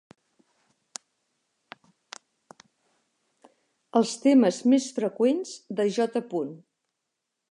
Els temes més freqüents de J.